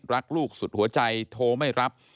รักลูกสุดหัวใจโทรไม่รับ